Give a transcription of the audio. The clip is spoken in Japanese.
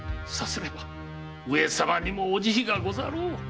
さすれば上様にもお慈悲がござろう。